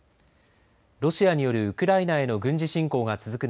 ロシアによるウクライナへの軍事侵攻が続く